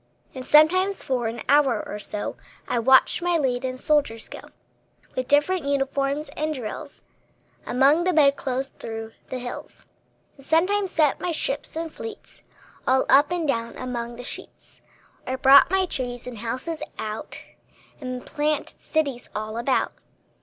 And sometimes for an hour or so I watched my leaden soldiers go, With different uniforms and drills, Among the bed clothes, through the hills; And sometimes sent my ships in fleets All up and down among the sheets; Or brought my trees and houses out, And planted cities all about.